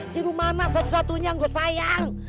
si rumana satu satunya yang gue sayang